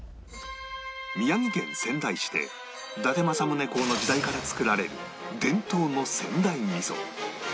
宮城県仙台市で伊達政宗公の時代から造られる伝統の仙台味噌